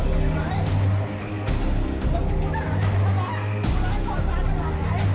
โปรดติดตามต่อไป